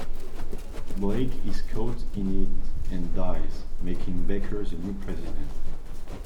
Blake is caught in it and dies, making Becker the new President.